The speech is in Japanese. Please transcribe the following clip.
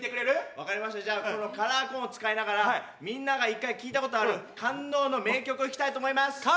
分かりました、カラーコーンを使いながらみんなが聴いたことがある感動の名曲をいきたいと思います。